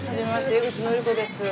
江口のりこです。